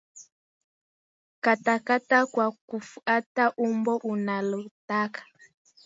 Katakata kwa kufuata umbo unalotaka